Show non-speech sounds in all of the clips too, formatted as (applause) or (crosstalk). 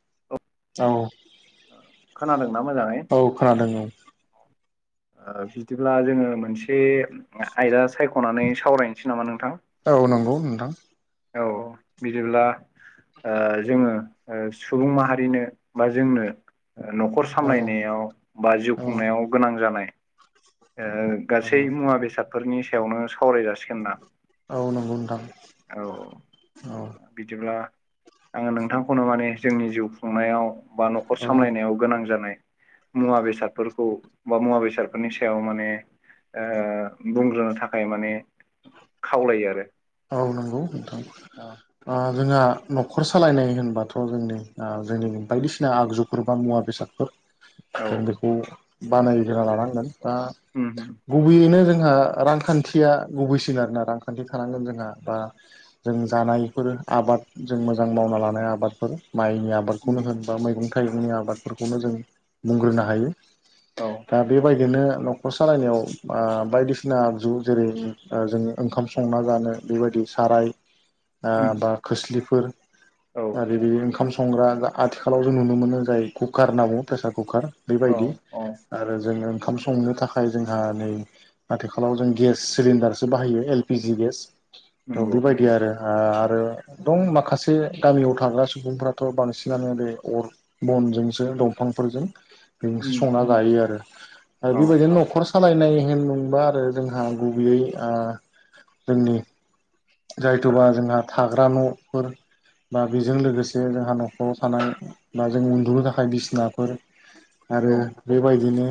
(unintelligible) औ। खोनादों ना मोजाङै? औ खोनादों औ। ओ बिदिब्ला जोंङो मोनसे आयदा सायख'नानै सावरायनोसै नामा नोंथां? औ नंगौ नोंथां। औ बिदिब्ला ओ जोंङो ओ सुबुं माहारिनो बा जोंनो ओ न'खर औ सामलायनायाव बा जिउ औ खुंनायाव गोनां जानाय ओ गासै नंगौ मुवा बेसादफोरनि सायावनो सावराय जासिगोन ना? औ नंगौ नोंथां। औ। औ बिदिब्ला आंङो नोंथांखौनो माने जोंनि जिउ खुंनायाव बा न'खर सामलायनायाव गोनां जानाय मुवा बेसादफोरखौ बा मुवा बेसादफोरनि सो सायाव माने ओ बुंग्रोनो थाखाय माने खावलायो आरो। औ नंगौ नोंथां। औ ओ जोंहा न'खर सालायनाय होनबाथ' जोंनि ओ जोंनिनो बायदिसिना आगजु गोबां मुवा बेसादफोर औ जों बेखौ बानायग्रोना लानांगोन दा उम उम। गुबैयैनो जोंहा रांखान्थिया गुबैसिन आरोना रांखान्थि थानांगोन जों ना बा जों जानायफोर आबाद जों मोजां मावना लानाय आबादफोर माइनि आबादखौनो उम होन बा मैगं थाइगंनि आबादफोरखौनो जों बुंग्रोनो हायो। औ दा बेबायदिनो न' खर सालायनायाव ओ बायदिसिना आगजु जेरै ओ उम जोंङो ओंखाम संना जानो बेबायदि साराय ओ उम बा खोस्लिफोर औ आरि बे ओंखाम संग्रा आ-आथिखालाव जों नुनो मोनो जाय कुकार होनना बुंङो प्रेसार कुकार औ बेबायदि औ आरो जोङो ओंखाम संनो थाखाय जोंहा नै आथिखालाव जों गेस सिलिनडारसो बाहायो एल पि जि गेस थ' नंगौ बेबायदि आरो ओ आरो दं माखासे गामियाव थाग्रा सुबुंफ्राथ' बांसिनानो बे अर बनजोंसो दंफांफोरजों उम बेजोंसो संना जायो आरो। आरो औ बेबायदिनो न'खर सालायनाय होनबा आरो जोंहा गुबैयै आ जोंनि जायथ'बा जोंहा थाग्रा न'फोर बा बेजों लोगोसे जोंहा न'खराव थानाय बा जों उन्दुनो थाखाय बिसिनाफोर आरो औ बेबायदिनो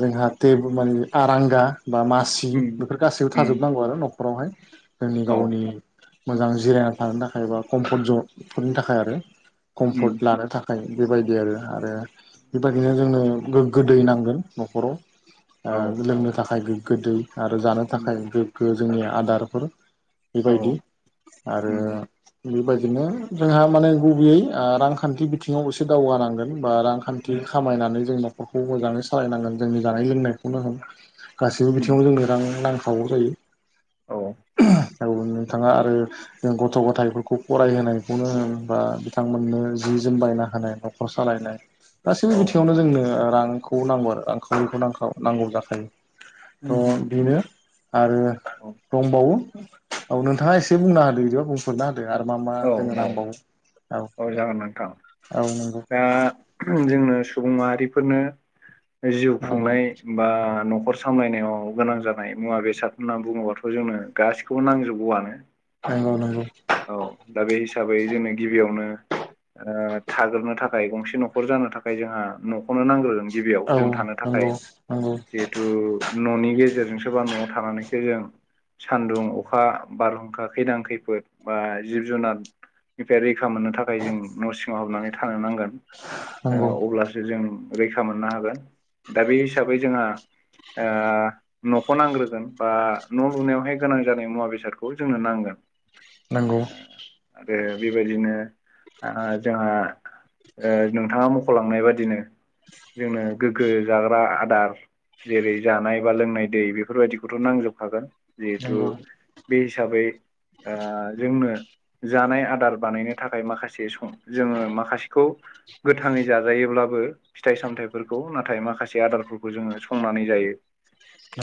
जोंहा टे माने आरांगा बा मा सि उम बेफोर गासैबो उम थाजोबनांगौ आरो न'खरावहाय जोंनि औ गावनि मोजां जिरायनानै थानो थाखाय एा कम्फर्ट जन बेफोरनि थाखाय आरो उम कम्फर्ट लानो थाखाय थाखाय बेबायदि आरो आरो बेबायदिनो जोंनो गोग्गो दै नांगोन न'खराव औ ओ लोंनो थाखाय गोग्गो दै आरो जानो थाखाय नंगौ गोग्गो जोंनि आदारफोर औ बेबायदि आरो उम बेबायदिनो जोंहा माने गुबैयै ओ रांखान्थि बिथिङाव एसे दावगानांगोन बा रां खान्थि उम खामायनानै जों न'खरखौ मोजाङै सालायनांगोन जोंनि जानाय लोंनायखौनो होन गासैबो उम बिथिङाव जोंनो रां नांखागौ जायो औ औ नोंथाङा आरो जों गथ' गथायाइफोरखौ फरायहोनायखौनो होन बा बिथांमोननो जि जोम बायना होनायखौ न'खर सालायनाय गासैबो औ बिथिङावनो जोंनो रांखौ नांगौ आरो रांखावरिखौ नांखागौ नांगौ जाखायो उम उम थ' बेनो आरो औ दंबावो औ नोंथाङा एसे बुंना होना बिदिबा बुं खुरना होदो आरो मा मा औ जोङो औ नांबावो औ जागोन नोंथां औ नंगौ दा जोंनो सुबुं माहारिफोरनो जिउ खुंनाय बा न'खर सामलायनायाव गोनां जानाय मुवा बेसाद होननानै बुङोबाथ' जोंनो गासिखौबो नांजोबगौआनो नंगौ नंगौ औ दा बे हिसाबै जोङो गिबियावनो ओ थाग्रोनो थाखाय गंसे न'खर जानो थाखाय जोंहा न'खौनो नांग्रोगोन गिबियाव जों थानो नंगौ नंगौ थाखाय औ नंगौ जि थु न'नि गेजेरजोंसो बा न'आव थानानैसो जों सानदुं अखा बारहुंखा खैदां खैफोद बा जिब जुनार निफ्राय रैखा मोननो थाखाय जों न'सिङाव हाबनानै थानो नांगोन ओ अब्लासो जों रैखा मोननो हागोन दा बे हिसाबै जोंहा ओ न'खौ नांग्रोगोन बा न' लुनायावहाय गोनां जानाय मुवा बेसादखौ जोंनो नांगोन। नांगौ। आरो बेबायदिनो आ जोंहा ओ नोंथाङा मख'लांनाय बादिनो जोंनो गोग्गो जाग्रा आदार जेरै जानाय बा लोंनाय दै बेफोरबायदिखौथ' नांजोबखागोन जिहेथु नंगौ बे हिसाबै ओ जोंनो जानाय आदार बानायनो थाखाय माखासे सम जोङो माखासेखौ गोथाङै जाजायोब्लाबो फिथाइ सामथायाइफोरखौ नाथाय माखासे आदारफोरखौ जोङो संनानै जायो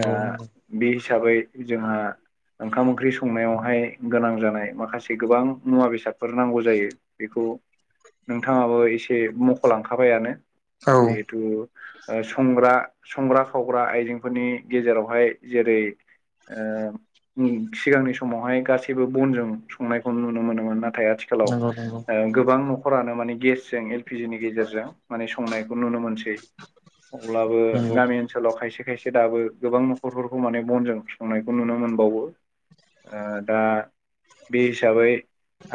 दा बे हिसाबै जोंहा ओंखाम ओंख्रि संनायावहाय गोनां जानाय माखासे गोबां मुवा बेसाद फोर नांगौ जायो बेखौ नोंथाङाबो एसे मख'लांखाबायानो जिहेथु संग्रा संग्रा खावग्रा आइजेंफोरनि गेजेरावहाय जेरै ओ सिगांनि समावहाय गासैबो बनजों संनायखौ नुनो मोनोमोन नाथाय आथि खालाव नंगौ नंगौ औ नंगौ गोबां न'खरानो माने गेसजों फिजिनि गेजेरजों माने संनायखौ नुनो मोनसै अब्लाबो नंगौ गामि ओनसोलाव खायसे खायसे दाबो गोबां न'खरफोरखौ माने बनजों संनायखौ नुनो मोनबावो। ओ दा बे हिसाबै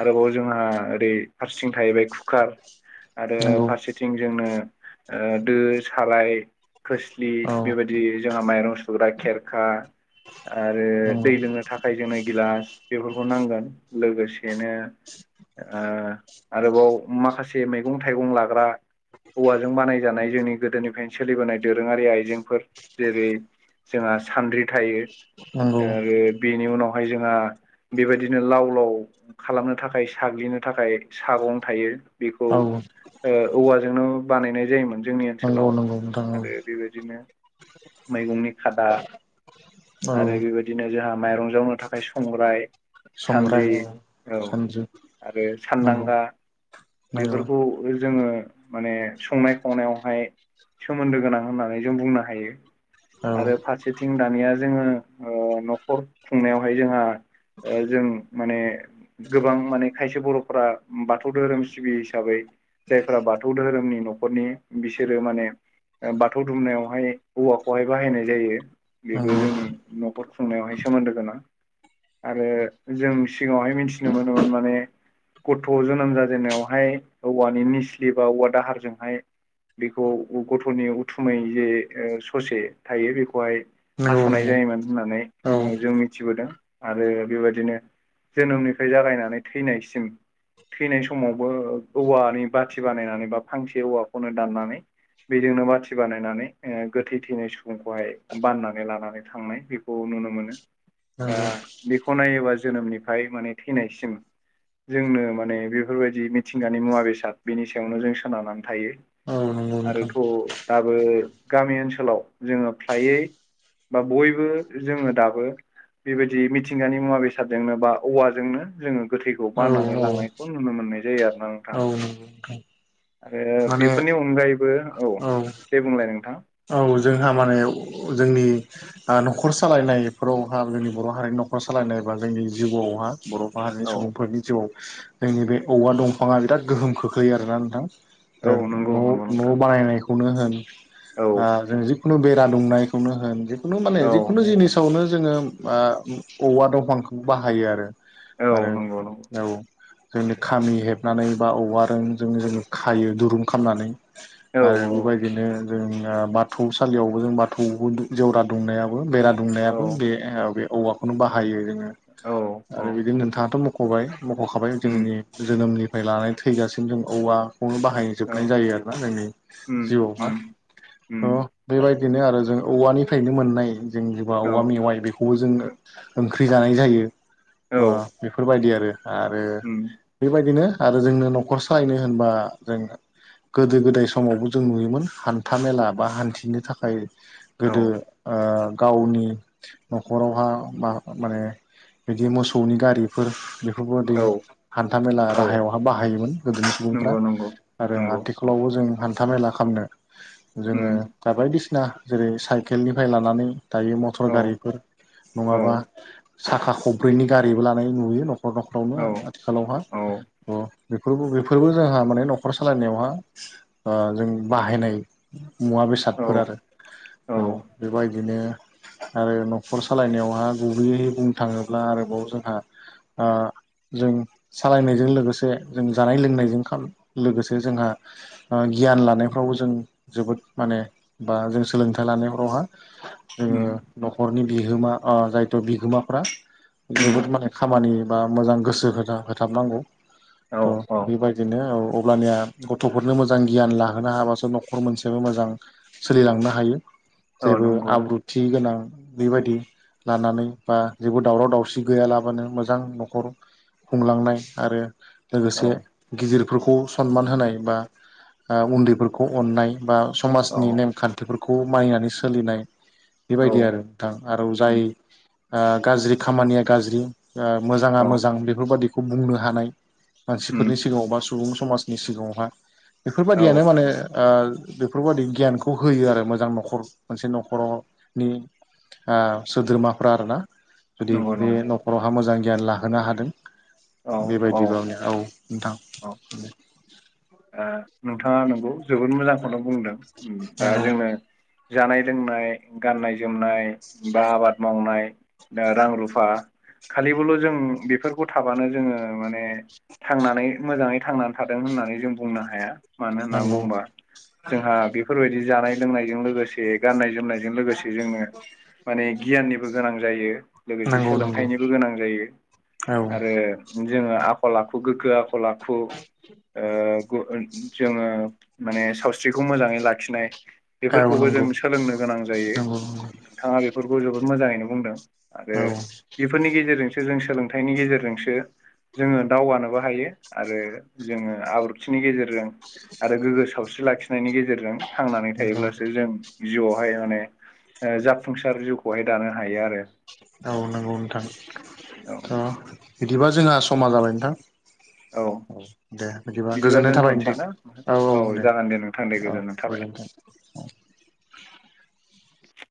आरोबाव जोंहा ओरै फारसेथिं थाहैबाय खुखार आरो नंगौ फारसे सेथिं जोंनो ओ दो साराय खोस्लि औ बेबायदि जोंहा माइरं सुग्रा खेरखा आरो नंगौ दै लोंनो थाखाय जोंनो गिलास बेफोरखौ नांगोन। लोगोसेनो ओ आरोबाव माखासे मैगं थाइगं लाग्रा औवाजों बानायजानाय जोंनि गोदोनिफायनो सोलिबोनाय दोरोङारि आइजेंफोर जेरै जोंहा सान्द्रि थायो नंगौ ओ बेनि उनावहाय जोंहा बेबायदिनो लाव लाव खालामनो थाखाय साग्लिनो थाखाय सागं थायो बेखौ औ ओ औवाजोंनो बानायनाय जायोमोन। जोंनि नंगौ ओनसोलाव नंगौ नोंथां औ आरो बेबायदिनो मैगंनि खादा औ आरो बेबायदिनो जोंहा माइरं जावनो थाखाय संग्राय सान्द्रि संग्राय औ औ सानद्रि आरो नंगौ सानदांगा नंगौ बेफोरखौ खौ जोङो माने संनाय खावनायावहाय सोमोन्दो गोनां होननानै जों बुंनो हायो औ आरो फारस सेथिं दानिया जोङो ओ न'खर खुंनायावहाय जोंहा ओ जों माने गोबां माने खायसे बर' फोरा बाथौ धोरोम सिबियो हिसाबै जायफोरा बाथौ दोहोरोमनि न'खरनि बिसोरो माने ओ बाथौ दुमनायावहाय औवाखौहाय बाहायनाय जायो बेबो नंगौ जोंनि न'खर खुंनायावहाय सोमोन्दो गोनां। आरो जों सिगाङावहाय मिथिनो मोनोमोन माने गथ' जोनोम जाजेननायावहाय औवानि निस्लि बा औवा दाहारजोंहाय बेखौ गथ'नि उथुमै जे ओ ससे थायो बेखौहाय नंगौ हास'नाय नंगौ जायोमोन औ होननानै जों मिथिबोदों आरो बेबायदिनो जोनोमनिफाय जागायनानै थैनायसिम थैनाय समावबो औवानि बाथि बानायनानै बा फांसे औवाखौनो दाननानै बेजोंनो बाथि बानायनानै ओ गोथै थैनाय सुबुंखौहाय बाननानै लानानै थांनाय बे खौ नुनो मोनो ओ नंगौ बेखौ नायोबा जोनोमनिफाय माने थैनायसिम जोंनो माने बेफोरबायदि मिथिंगानि मुवा बेसाद बेनि सायावनो जों सोनारनानै थायो। औ नंगौ नोंथां आरोथ' दाबो गामि ओनसोलाव जोङो फ्रायै बा बयबो जोङो दाबो बेबायदि मिथिंगानि मुवा बेसादजोंनो बा औवाजोंनो जोङो गोथै औ बाननानै लांनायखौ नुनो मोननाय जायो आरो ना नोंथां। नंगौ नोंथां आरो माने बेफोरनि अनगायैबो औ दे बुंलाय नोंथां? औ जोंहा माने जोंनि आ न'खर सालायनायफोरावहा जोंनि बर' हारिनि न'खर सालायनाय बा जोंनि जिउआवहा बर' माहारिनि औ सुबुंफोरनि जिउआव जोंनि बे औवा दंफाङा बिराद गोहोम खोख्लैयो आरोना नोंथां। औ जों नंगौ नंगौ न' नोंथां न' बानायनायखौनो होन। औ ओ जों जिखुनु बेरा दुंनायखौनो होन जिखुनु माने औ जिखुनु जिनिस खौनो जोङो ओ औवा दंफांखौ बाहायो आरो औ आरो नंगौ नंगौ औ। जोंनि खामि हेबनानै बा औवा रोंजों जों खायो दुरुं खामनानै औ आरो बेबायदिनो जोंना बाथौ सालियावबो जों बाथौआवबो दु जेवरा दुंनायाबो बेरा औ दुंनायाबो बे ओ बे औवा खौनो बाहायो जोङो औ औ आरो बिदिनो नोंथाङाथ' मख'बाय मख'खाबाय उम जोंनि जोनोमनिफ्राय लानानै थैजासिम जों औवाखौनो बाहायो। औ जोबनाय जायो आरोना जोंनि उम जिउआव हा उम उम अ' बेबायदिनो आरो जों औवानिफायनो मोननाय जों जेबा औ औवा मेवाय बेख खौ जोंनो ओंख्रि जानाय जायो औ बा बेफोरबायदि आरो। आरो उम बेबायदिनो आरो जोंनो न'खर सालायनो होनबा जोंनो गोदो गोदाय समावबो जों नुयोमोन हान्था मेला बा हान्थिनो थाखाय औ गोदो ओ गावनि न'खरावहा मा-माने बिदि मोसौनि गारिफोर बे फुबादि औ हान्थामेला औ राहायावहा बाहायोमोन गोदोनि सुबुंफ्रा। नंगौ नंगौ आरो नंगौ आथिखालावबो जों हान्था मेला खामनो जोङो उम दा बायदिसिना जेरै साइकेलनिफाय लानानै दायो मटर औ गारिफोर औ नङाबा साखा खब्रैनि गारिबो लानाय नुयो न'खर न'खरावनो औ आ आद थिखालावहा औ थ' बेफोरबो बेफोरबो जाहा माने न'खर सालायनायावहा अ जों बाहायनाय मुवा औ बेसादफोर आरो औ बेबायदिनो आरो न'खर सालायनायावहा गुबैयैै बुंनो थाङोब्ला आरोबाव जोंहा ओ जों सालायनायजों लोगोसे जों जानाय लोंनायजों खाम लोगोसे जोंहा ओ गियान लानायफ्रावबो जों जोबोद माने बा जों सोलोंथाइ लानाय फोरावहा उम जोंनि न'खरनि बिहोमा ओ जायथ' बिगोमाफ्रा उम जोबोद माने खामानि बा मोजां गोसो होना होथाब नांगौ। औ थ' औ बेबायदिनो औ अब्लानिया गथ'फोरनो मोजां गियान लाहोनो हाबासो न' खर मोनसेयाबो मोजां सोलिलांनो हायो। औ जेबो नंगौ आब्रुद थि गोनां बेबायदि लानानै बा जेबो दावराव दावसि गैयालाबानो मोजां न'खर खुंलांनाय आरो औ लोगोसे गिदिर फोरखौ सनमान होनाय बा आ उन्दैफोरखौ अननाय बा औ समाजनि नेम खान्थिफोर खौ मानिनानै सोलिनाय औ बेबायदि आरो नोंथां। आरो जाय उम ओ गाज्रि खामानिया गाज्रि ओ मोजाङा औ मोजां बेफोरबादिखौ बुंनो हानाय उम मानसिफोरनि सिगाङाव बा सुबुं समाजनि सिगाङावहा औ बेफोरबादियानो माने ओ बेफोरबायदि गियानखौ होयो आरो मोजां न'खर मोनसे न'खरनि आ सोद्रोमाफ्रा आरोना। जुदि नंगौ बे नंगौ न'खरावहा मोजां गियान लाहोनो हादों। औ औ बेबायदिबाे आंनिया औ औ नोंथां दे। ओ नोंथाङा नोंगौ जोबोद मोजांखौनो बुंदों। दा जोंनो जानाय लोंनाय गाननाय जोमनाय बा आबाद मावना दा रां, रुफा खालिबोल' जों बेफोरखौ थाबानो जोङो माने थांनानै मोजाङै थांनानै थादों होननानै जों बुंनो हाया। मानो होननानै नंगौ बुंबा जोंहा बेफोरबायदि जानाय लोंनायजों लोगोसे गाननाय जोमनायजों लोगोसे जोंनो माने गियाननिबो गोनां जायो। नंगौ लोगोसे नंगौ सोलोंथाइनिबो गोनां जायो। औ आरो जोङो आखल आखु गोग्गो आख खल आखु ओ गु ओ जोङो माने सावस्रिखौ मोजाङै लाखिनाय औ बेफोरखौबो जों नंगौ सोलोंनो गोनां जायो नंगौ नंगौ नोंथाङा बेफोरखौ जोबोद मोजाङैनो बुंदों आरो औ बेफोरनि गेजेरजोंसो जों सोलोंथाइनि गेजेरजोंसो जोङो दावगानोबो हायो। आरो जोङो आब्रु थिनि गेजेरजों आरो गोग्गो सावस्रि लाखिनायनि गेजेरजों थांनानै नंगौ थायोब्लासो जों जिउआवहाय माने ओ जाफुंसार जिउखौहाय दानो हायो आरो औ नंगौ नोंथां औ थ' बिदिबा जोंहा समा जाबाय नोंथां औ दे बिदिबा गोजोननाय थाबाय दोनथ'नोसै नोंथां ना औ औ दे जागोन नोंथां दे औ गोजोननाय थाबाय गोजोनथों